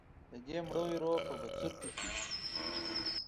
د دې مړو ایرو په بڅرکیو کې.